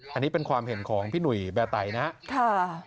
อันนี้เป็นความเห็นของพี่หนุ่ยแบร์ไตนะครับ